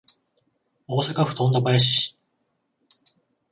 大阪府富田林市